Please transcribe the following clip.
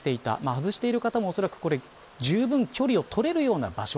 外している方もじゅうぶん距離を取れるような場所